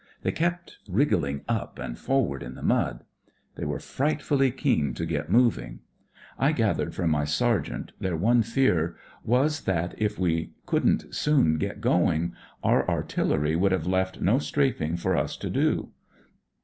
They kept wriggling up and forward in the mud. They were frightfully keen to get moving. I gathered from my sergeant their one fear was that if we couldn't soon get going our artillery would have left no strafing for us to do.